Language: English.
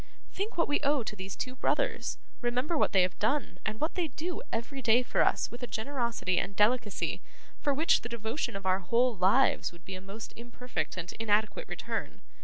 Think what we owe to these two brothers: remember what they have done, and what they do every day for us with a generosity and delicacy for which the devotion of our whole lives would be a most imperfect and inadequate return.